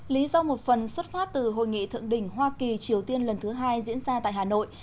lý do một phần xuất phát từ hội nghị thượng đỉnh hoa kỳ triều tiên lần thứ hai diễn ra tại hà nội